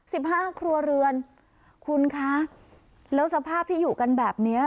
สิบห้าครัวเรือนคุณคะแล้วสภาพที่อยู่กันแบบเนี้ย